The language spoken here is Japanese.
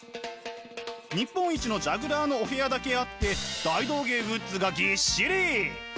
日本一のジャグラーのお部屋だけあって大道芸グッズがぎっしり！